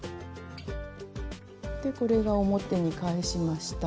これが表に返しました。